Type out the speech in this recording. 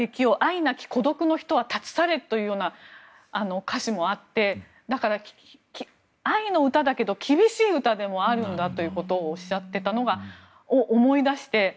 なき孤独の人は立ち去れというような歌詞もあってだから愛の歌だけど厳しい歌でもあるんだということをおっしゃっていたのを思い出して。